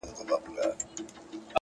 خپل ژوند په ارزښتونو ودروئ،